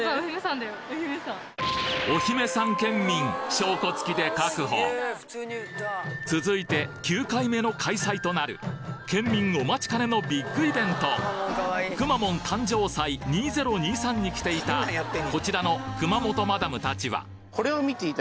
証拠付きで確保続いて９回目の開催となる県民お待ちかねのビッグイベントくまモン誕生祭２０２３に来ていたお姫さん？